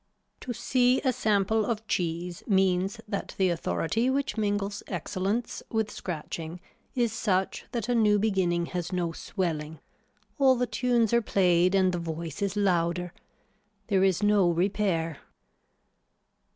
To see a sample of cheese means that the authority which mingles excellence with scratching is such that a new beginning has no swelling. All the tunes are played and the voice is louder. There is no repair.